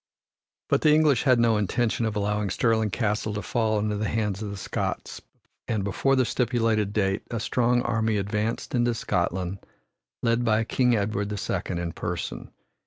But the English had no intention of allowing Stirling Castle to fall into the hands of the Scots and before the stipulated date a strong army advanced into Scotland, led by King Edward the Second in person.